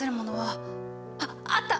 ああった！